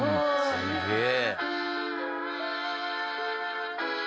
「すげえ！」